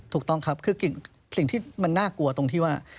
ถูกต้องครับคือสิ่งที่มันน่ากลัวตรงที่ว่า